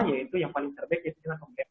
yaitu yang paling terbaik yaitu dengan pembedahan